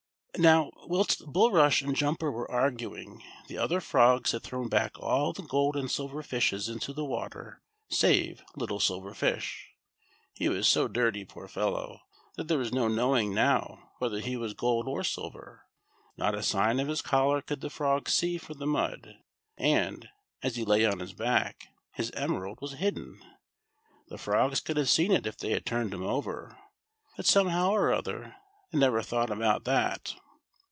Now whilst Bulrush and Jumper were arguing, the other frogs had thrown back all the gold and silver fishes into the water save little Silver Fish. He was so dirty, poor fellow, that there was no knowing now whether he was gold or silver ; not a sign of his collar could the frogs see for the mud ; and, as he lay on his back, his emerald was hiJden. The frogs could have seen it if tiiey had turned him over ; but, somehow or other, they never thought about that.